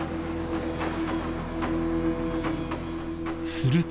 すると